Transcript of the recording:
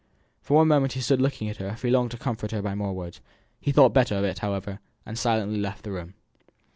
For one moment he stood looking at her as if he longed to comfort her by more words. He thought better of it, however, and silently left the room.